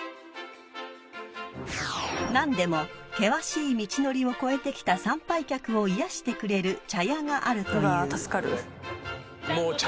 ［なんでも険しい道のりを越えてきた参拝客を癒やしてくれる茶屋があるという］